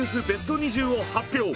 ベスト２０を発表。